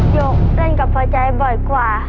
หกเต้นกับพอใจบ่อยกว่า